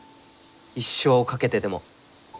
一生を懸けてでも。